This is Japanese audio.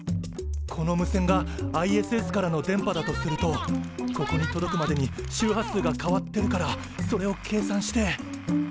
この無線がＩＳＳからの電波だとするとここに届くまでに周波数が変わってるからそれを計算して。